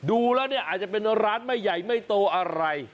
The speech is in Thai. ดูแล้วเนี่ยอาจจะเป็นร้านไม่ใหญ่ไม่โตอะไร